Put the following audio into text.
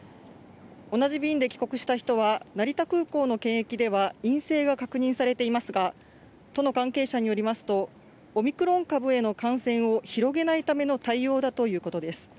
同じ便で帰国した人は、成田空港の検疫では陰性が確認されていますが、都の関係者によりますと、オミクロン株への感染を広げないための対応だということです。